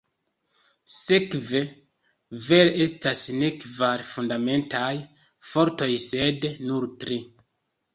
Sekve, vere estas ne kvar fundamentaj fortoj sed nur tri.